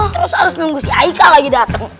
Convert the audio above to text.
terus harus nunggu si aikal lagi datang